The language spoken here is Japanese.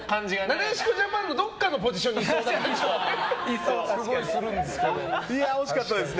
なでしこジャパンのどっかのポジションに惜しかったですね。